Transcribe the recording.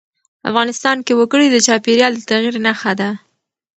افغانستان کې وګړي د چاپېریال د تغیر نښه ده.